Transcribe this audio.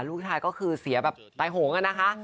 ลูกชายก็คือเสียแบบตายโหงอะนะคะ